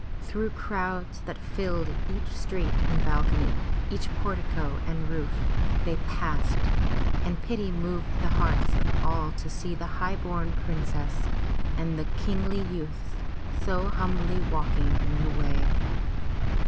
Through crowds that filled each street and bal cony, each portico and roof, they passed, and pity moved the hearts of all to see the highborn princess and the kingly youths so humbly walking in the way.